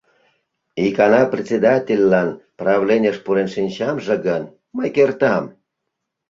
Икана председательлан правленийыш пурен шинчамже гын, мый кертам.